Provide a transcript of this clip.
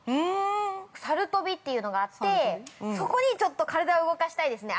サルトビっていうのがあってそこで、ちょっと体を動かしたいですね。